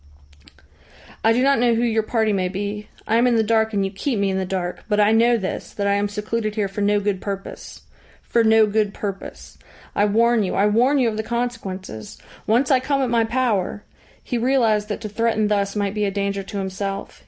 "I do not know who your party may be. I am in the dark, and you keep me in the dark. But I know this, that I am secluded here for no good purpose. For no good purpose. I warn you, I warn you of the consequences. Once I come at my power " He realised that to threaten thus might be a danger to himself.